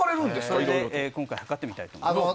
今回測ってみたいと思います。